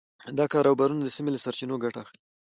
دا کاروبارونه د سیمې له سرچینو ګټه اخلي.